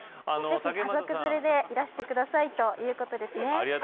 ぜひ家族連れでいらしてくださいということですね。